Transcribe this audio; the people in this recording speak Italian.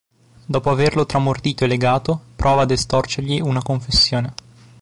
Dopo averlo tramortito e legato, prova ad estorcergli una confessione.